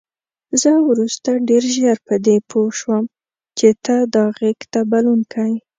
زه وروسته ډېره ژر په دې پوه شوم چې ته دا غېږ ته بلونکی.